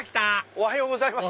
おはようございます。